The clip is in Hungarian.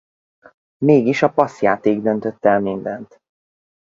Mégis a passz-játék döntött el mindent.